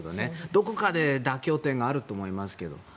どこかで妥協点があると思いますけど。